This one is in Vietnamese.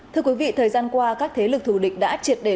thưa quý vị thời gian qua các thế lực thù địch đã triệt đề